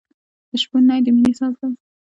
د شپون نی د مینې ساز دی.